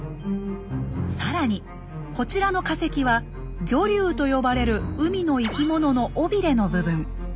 更にこちらの化石は魚竜と呼ばれる海の生き物の尾びれの部分。